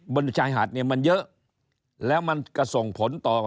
บนชายหาดมันเยอะแล้วมันก็ส่งผลต่อ